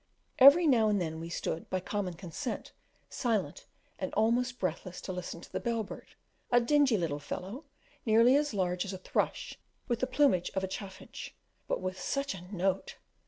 Every now and then we stood, by common consent, silent and almost breathless to listen to the Bell bird, a dingy little fellow, nearly as large as a thrush with the plumage of a chaffinch, but with such a note!